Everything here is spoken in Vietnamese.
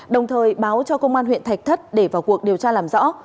đồng thời báo cho công an huyện thạch thất để vào cuộc điều tra làm rõ